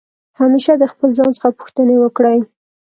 همېشه د خپل ځان څخه پوښتني وکړئ.